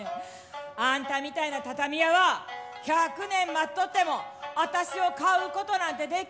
あんたみたいな畳屋は１００年待っとってもあたしを買うことなんて出来んでね！」。